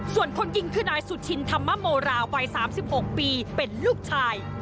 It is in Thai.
ส่วนคนยิงคือนายสุชินธรรมโมราวัย๓๖ปีเป็นลูกชาย